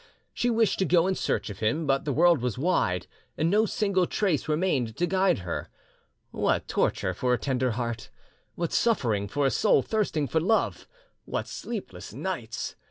She wished to go in search of him, but the world is wide, and no single trace remained to guide her. What torture for a tender heart! What suffering for a soul thirsting for love! What sleepless nights!